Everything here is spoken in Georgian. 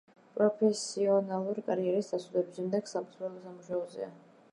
პროფესიონალური კარიერის დასრულების შემდეგ სამწვრთნელო სამუშაოზეა.